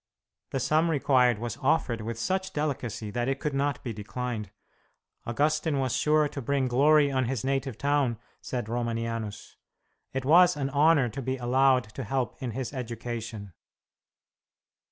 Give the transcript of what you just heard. The sum required was offered with such delicacy that it could not be declined. Augustine was sure to bring glory on his native town, said Romanianus; it was an honour to be allowed to help in his education.